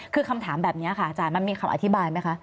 คือคำถามแบบนี้ค่ะอาจารย์มันมีคำอธิบายไหมคะ